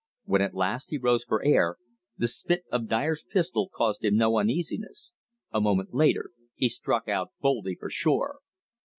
When at last he rose for air, the spit of Dyer's pistol caused him no uneasiness. A moment later he struck out boldly for shore.